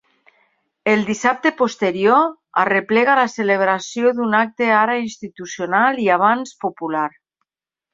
El dissabte posterior, arreplega la celebració d'un acte ara institucional i abans popular.